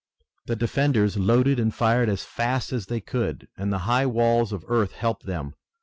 The defenders loaded and fired as fast as they could and the high walls of earth helped them.